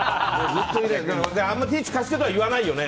あまりティッシュ貸してとか言わないよね。